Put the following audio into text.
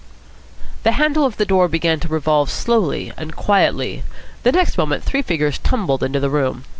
The handle of the door began to revolve slowly and quietly. The next moment three figures tumbled into the room.